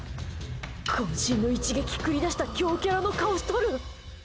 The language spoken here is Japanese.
渾身の一撃繰り出した強キャラの顔しとる。